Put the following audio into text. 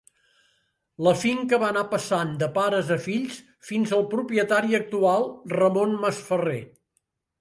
La finca va anar passant de pares a fills fins al propietari actual, Ramon Masferrer.